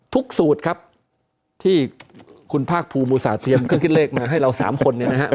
ทุกสูตรครับที่คุณภาคภูมิอุตสาหรับเตรียมเครื่องคิดเลขมาให้เรา๓คนนี้นะครับ